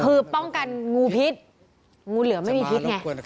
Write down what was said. คือป้องกันงูพิษงูเหลือไม่มีพิษไง